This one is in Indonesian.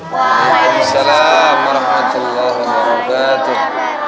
waalaikumsalam warahmatullahi wabarakatuh